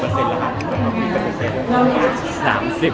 อเจมส์ออกไว้กับท่านเดิม